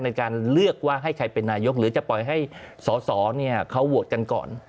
ในการเลือกว่าให้ใครเป็นนายกหรือจะปล่อยให้สอสอเขาโหวตกันก่อน